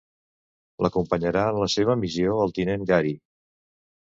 L'acompanyarà en la seva missió el tinent Gary.